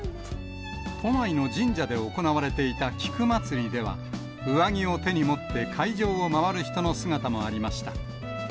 都内の神社で行われていた菊まつりでは、上着を手に持って会場を回る人の姿もありました。